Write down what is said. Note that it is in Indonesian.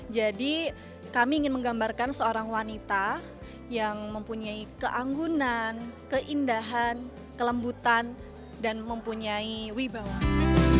jadi kami ingin menggambarkan seorang wanita yang mempunyai keanggunan keindahan kelembutan dan mempunyai wibawa